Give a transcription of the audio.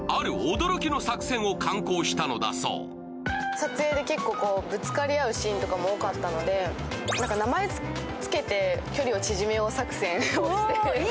撮影で結構ぶつかり合うシーンとかも多かったので、名前をつけて距離を縮めよう作戦をして。